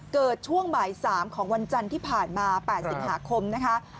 เกิดช่วงบ่ายสามของวันจันทร์ที่ผ่านมา๘๐หาคมนะคะ